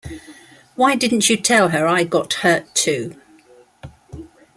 Why didn't you tell her I got hurt, too?